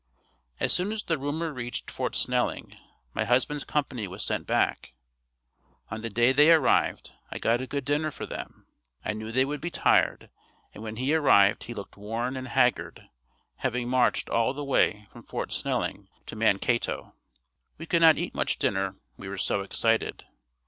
As soon as the rumor reached Fort Snelling my husband's company was sent back. On the day they arrived I got a good dinner for them. I knew they would be tired and when he arrived he looked worn and haggard, having marched all the way from Fort Snelling to Mankato. We could not eat much dinner, we were so excited.